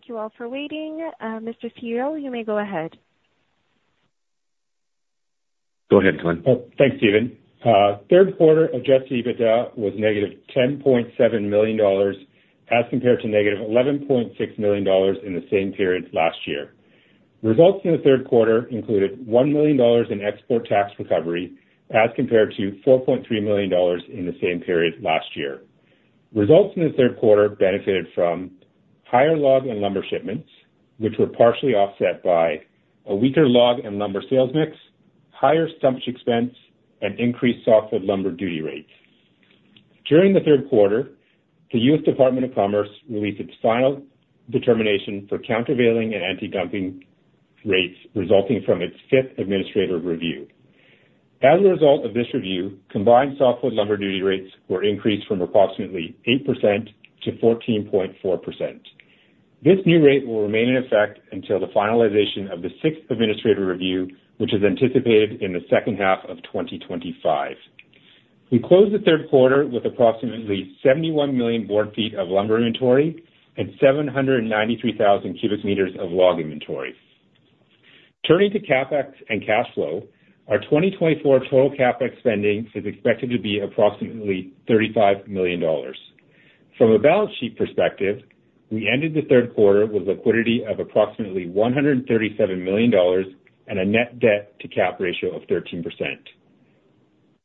Thank you all for waiting. Mr. CEO, you may go ahead. Go ahead, Glen. Thanks, Steven. Third quarter Adjusted EBITDA was $-10.7 million as compared to $-11.6 million in the same period last year. Results in the third quarter included $1 million in export tax recovery as compared to $4.3 million in the same period last year. Results in the third quarter benefited from higher log and lumber shipments, which were partially offset by a weaker log and lumber sales mix, higher stumpage expense, and increased softwood lumber duty rates. During the third quarter, the U.S. Department of Commerce released its final determination for countervailing and anti-dumping rates resulting from its fifth administrative review. As a result of this review, combined softwood lumber duty rates were increased from approximately 8% to 14.4%. This new rate will remain in effect until the finalization of the sixth administrative review, which is anticipated in the second half of 2025. We closed the third quarter with approximately 71 million board feet of lumber inventory and 793,000 cubic meters of log inventory. Turning to CapEx and cash flow, our 2024 total CapEx spending is expected to be approximately 35 million dollars. From a balance sheet perspective, we ended the third quarter with liquidity of approximately 137 million dollars and a net debt-to-cap ratio of 13%.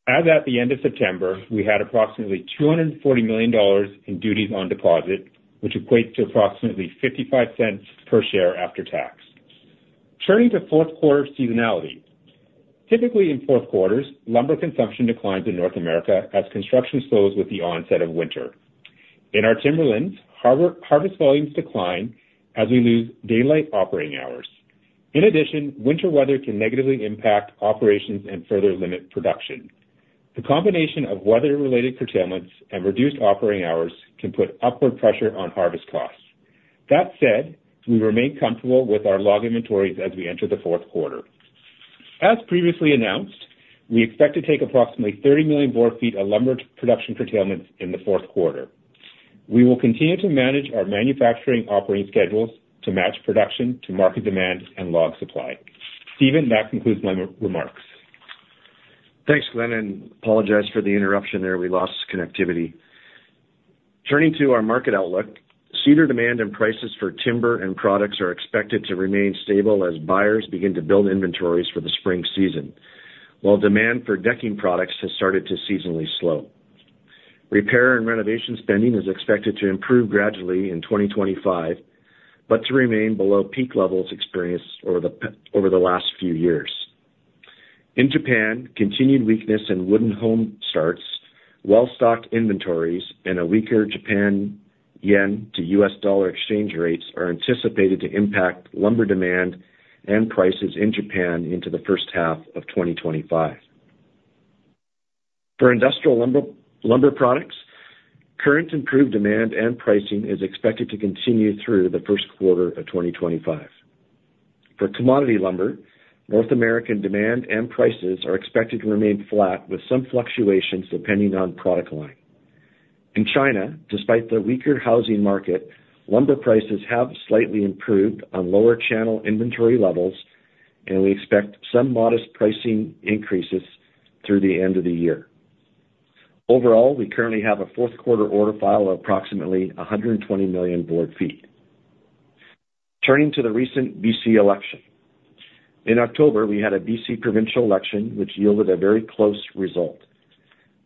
As at the end of September, we had approximately 240 million dollars in duties on deposit, which equates to approximately 0.55 per share after tax. Turning to fourth quarter seasonality, typically in fourth quarters, lumber consumption declines in North America as construction slows with the onset of winter. In our timberlands, harvest volumes decline as we lose daylight operating hours. In addition, winter weather can negatively impact operations and further limit production. The combination of weather-related curtailments and reduced operating hours can put upward pressure on harvest costs. That said, we remain comfortable with our log inventories as we enter the fourth quarter. As previously announced, we expect to take approximately 30 million board feet of lumber production curtailments in the fourth quarter. We will continue to manage our manufacturing operating schedules to match production to market demand and log supply. Steven, that concludes my remarks. Thanks, Glen. I apologize for the interruption there. We lost connectivity. Turning to our market outlook, cedar demand and prices for timber and products are expected to remain stable as buyers begin to build inventories for the spring season, while demand for decking products has started to seasonally slow. Repair and renovation spending is expected to improve gradually in 2025, but to remain below peak levels experienced over the last few years. In Japan, continued weakness in wooden home starts, well-stocked inventories, and a weaker Japan yen to U.S. dollar exchange rates are anticipated to impact lumber demand and prices in Japan into the first half of 2025. For industrial lumber products, current improved demand and pricing is expected to continue through the first quarter of 2025. For commodity lumber, North American demand and prices are expected to remain flat with some fluctuations depending on product line. In China, despite the weaker housing market, lumber prices have slightly improved on lower channel inventory levels, and we expect some modest pricing increases through the end of the year. Overall, we currently have a fourth quarter order file of approximately 120 million board feet. Turning to the recent BC election. In October, we had a BC provincial election, which yielded a very close result.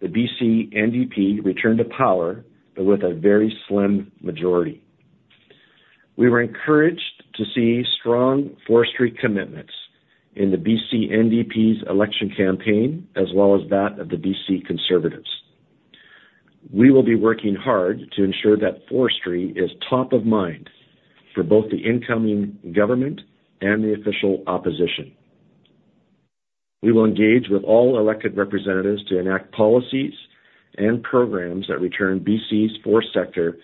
The BC NDP returned to power, but with a very slim majority. We were encouraged to see strong forestry commitments in the BC NDP's election campaign, as well as that of the BC Conservatives. We will be working hard to ensure that forestry is top of mind for both the incoming government and the official opposition. We will engage with all elected representatives to enact policies and programs that return BC's forest sector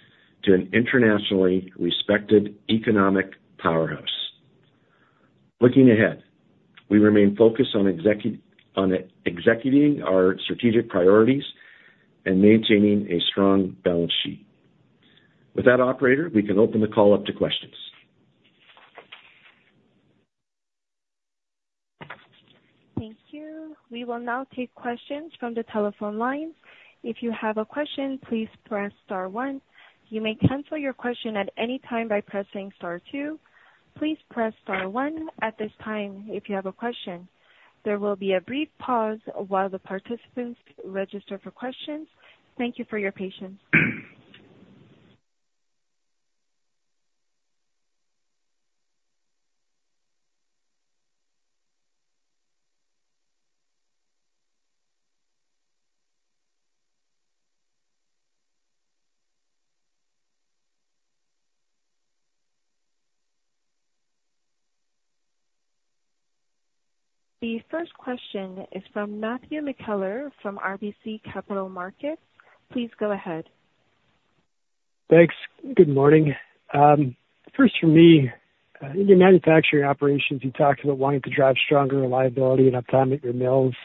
to an internationally respected economic powerhouse. Looking ahead, we remain focused on executing our strategic priorities and maintaining a strong balance sheet. With that, Operator, we can open the call up to questions. Thank you. We will now take questions from the telephone lines. If you have a question, please press star one. You may cancel your question at any time by pressing star two. Please press star one at this time if you have a question. There will be a brief pause while the participants register for questions. Thank you for your patience. The first question is from Matthew McKellar from RBC Capital Markets. Please go ahead. Thanks. Good morning. First, for me, in your manufacturing operations, you talked about wanting to drive stronger reliability and uptime at your mills.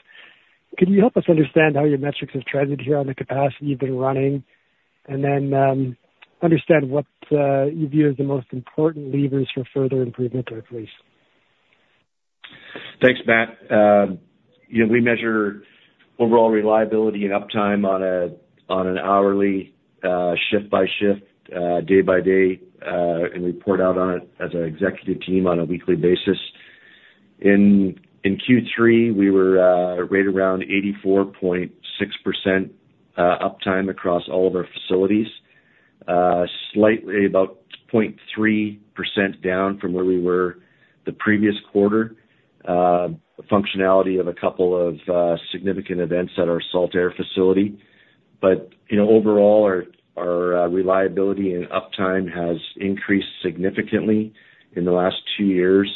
Could you help us understand how your metrics have trended here on the capacity you've been running, and then understand what you view as the most important levers for further improvement, please? Thanks, Matt. We measure overall reliability and uptime on an hourly shift-by-shift, day-by-day, and report out on it as an executive team on a weekly basis. In Q3, we were rated around 84.6% uptime across all of our facilities, slightly about 0.3% down from where we were the previous quarter, functionality of a couple of significant events at our Saltair facility. But overall, our reliability and uptime has increased significantly in the last two years.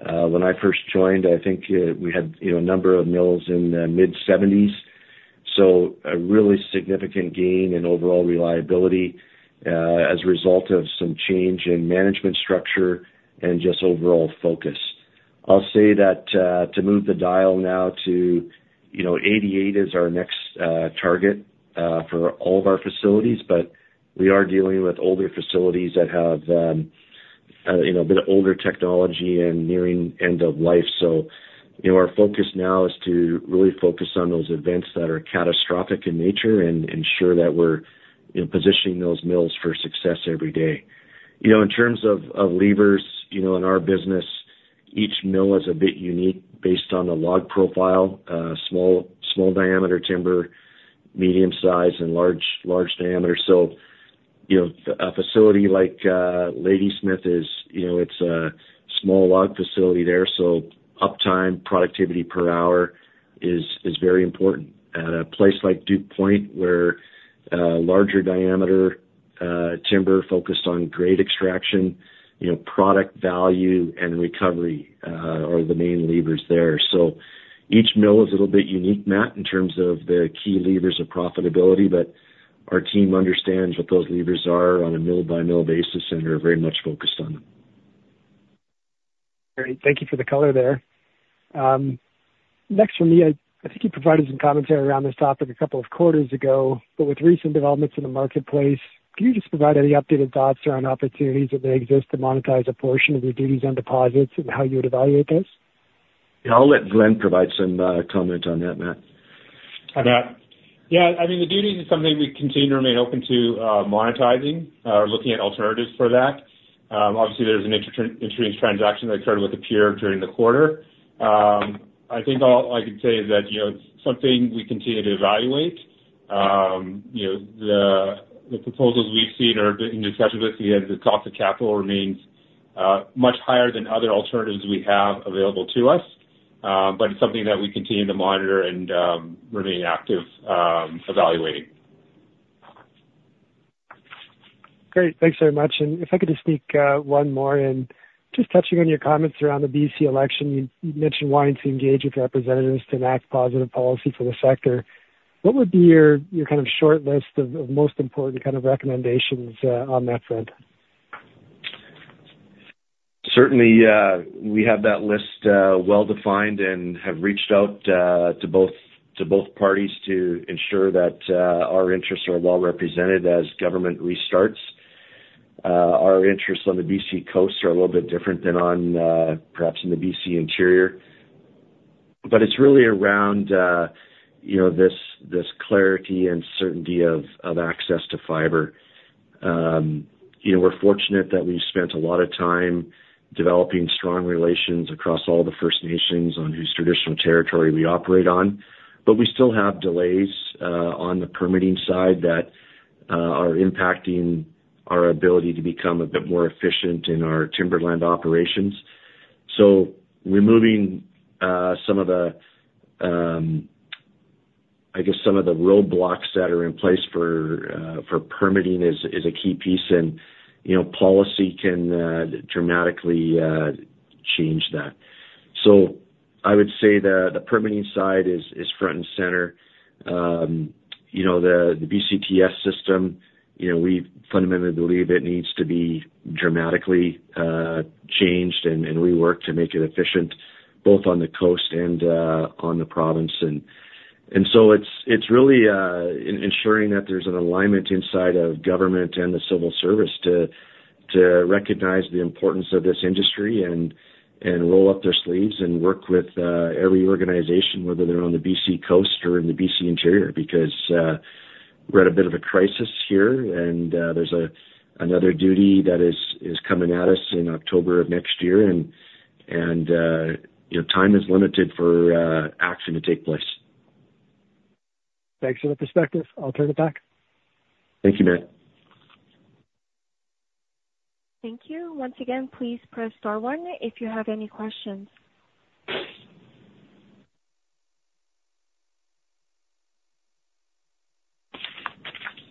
When I first joined, I think we had a number of mills in the mid-70s. So a really significant gain in overall reliability as a result of some change in management structure and just overall focus. I'll say that to move the dial now to 88 is our next target for all of our facilities, but we are dealing with older facilities that have a bit of older technology and nearing end of life. So our focus now is to really focus on those events that are catastrophic in nature and ensure that we're positioning those mills for success every day. In terms of levers in our business, each mill is a bit unique based on the log profile, small diameter timber, medium size, and large diameter. So a facility like Ladysmith, it's a small log facility there. So uptime, productivity per hour is very important. At a place like Duke Point, where larger diameter timber focused on grade extraction, product value, and recovery are the main levers there. So each mill is a little bit unique, Matt, in terms of the key levers of profitability, but our team understands what those levers are on a mill-by-mill basis and are very much focused on them. Great. Thank you for the color there. Next from me, I think you provided some commentary around this topic a couple of quarters ago, but with recent developments in the marketplace, can you just provide any updated thoughts around opportunities that may exist to monetize a portion of your duties on deposits and how you would evaluate those? Yeah, I'll let Glen provide some comment on that, Matt. Yeah. I mean, the duties is something we continue to remain open to monetizing or looking at alternatives for that. Obviously, there's an interesting transaction that occurred with a peer during the quarter. I think all I can say is that it's something we continue to evaluate. The proposals we've seen are in discussion with us. The cost of capital remains much higher than other alternatives we have available to us, but it's something that we continue to monitor and remain active evaluating. Great. Thanks very much. And if I could just speak one more and just touching on your comments around the BC election, you mentioned wanting to engage with representatives to enact positive policy for the sector. What would be your kind of short list of most important kind of recommendations on that front? Certainly, we have that list well defined and have reached out to both parties to ensure that our interests are well represented as government restarts. Our interests on the BC coast are a little bit different than on perhaps in the BC interior. But it's really around this clarity and certainty of access to fiber. We're fortunate that we've spent a lot of time developing strong relations across all the First Nations on whose traditional territory we operate on, but we still have delays on the permitting side that are impacting our ability to become a bit more efficient in our timberland operations. So removing some of the, I guess, some of the roadblocks that are in place for permitting is a key piece, and policy can dramatically change that. So I would say that the permitting side is front and center. The BCTS system, we fundamentally believe it needs to be dramatically changed and reworked to make it efficient both on the coast and on the province. And so it's really ensuring that there's an alignment inside of government and the civil service to recognize the importance of this industry and roll up their sleeves and work with every organization, whether they're on the BC coast or in the BC interior, because we're at a bit of a crisis here, and there's another duty that is coming at us in October of next year, and time is limited for action to take place. Thanks for the perspective. I'll turn it back. Thank you, Matt. Thank you. Once again, please press star one if you have any questions.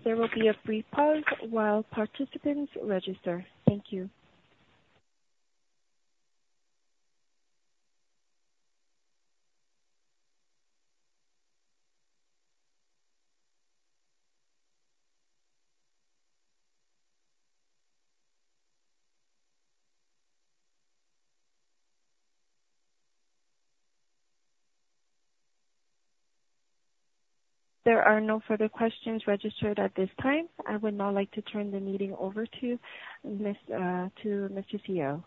There will be a brief pause while participants register. Thank you. There are no further questions registered at this time. I would now like to turn the meeting over to Mr. CEO.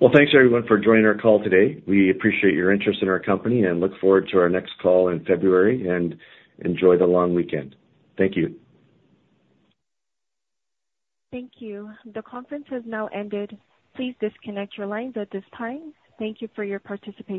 Thanks everyone for joining our call today. We appreciate your interest in our company and look forward to our next call in February and enjoy the long weekend. Thank you. Thank you. The conference has now ended. Please disconnect your lines at this time. Thank you for your participation.